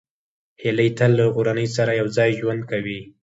هیلۍ تل له کورنۍ سره یوځای ژوند کوي